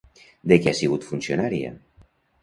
De què ha sigut funcionària?